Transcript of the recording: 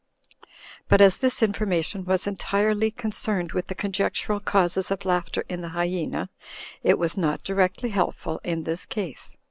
But as this information was entirely concerned with the conjectural causes of laughter in the Hyena, it was not directly helpful in this case.